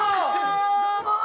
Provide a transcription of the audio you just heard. どうもー！